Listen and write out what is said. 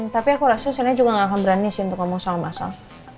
tapi aku rasa senangnya juga gak akan berani sih untuk ngomong sama massal